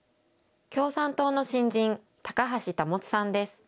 共産党の新人、高橋保さんです。